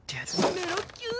メロキュン！